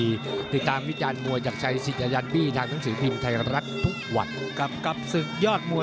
เจอกับเพชรลำสินสกสวายยิน